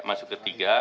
masuk ke tiga